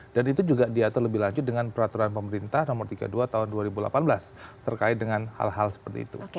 dan itu juga diatur lebih lanjut dengan peraturan pemerintah nomor tiga puluh dua tahun dua ribu delapan belas terkait dengan hal hal seperti itu